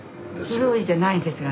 古いじゃないんですがね